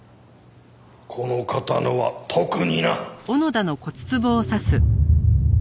この方のは特にな。